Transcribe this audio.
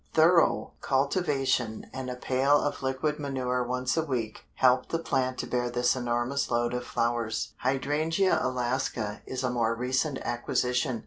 Thorough cultivation and a pail of liquid manure once a week, helped the plant to bear this enormous load of flowers." Hydrangea Alaska is a more recent acquisition.